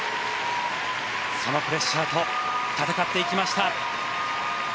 そのプレッシャーと戦っていきました。